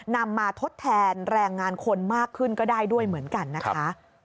นำมาทดแทนแรงงานคนมากขึ้นก็ได้ด้วยเหมือนกันนะคะ